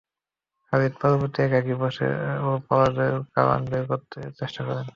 খালিদ পরবর্তীতে একাকী বসে এ পরাজয়ের কারণ বের করতে চেষ্টা করেন।